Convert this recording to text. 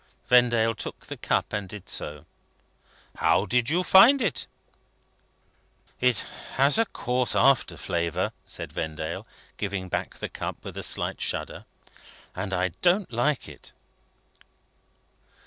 Vendale took the cup, and did so. "How do you find it?" "It has a coarse after flavour," said Vendale, giving back the cup with a slight shudder, "and I don't like it."